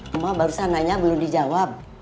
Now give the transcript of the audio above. cuma barusan nanya belum dijawab